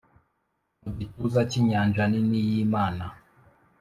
mu gituza cy'inyanja nini y'imana.